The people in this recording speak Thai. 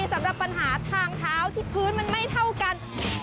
สำหรับปัญหาทางเท้าที่พื้นมันไม่เท่ากัน